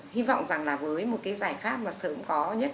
hy vọng rằng là với một cái giải pháp mà sớm có nhất